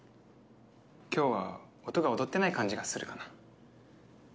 今日は音が躍ってない感じがするかな。